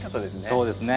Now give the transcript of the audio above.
そうですね。